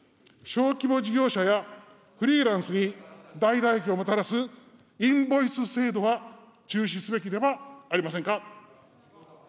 小規模事業者やフリーランスに大打撃をもたらす、インボイス制度は中止すべきではありませんか。